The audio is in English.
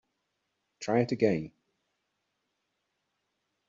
Try it again.